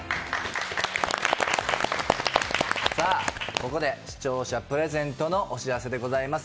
ここで視聴者プレゼントのお知らせでございます。